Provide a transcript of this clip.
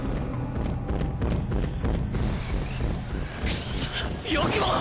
くそよくも！